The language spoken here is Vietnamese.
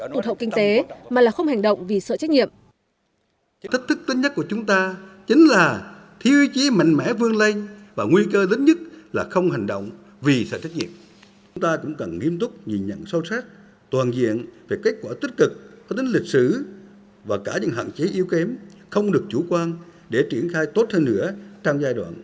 tù thậu kinh tế mà là không hành động vì sợ trách nhiệm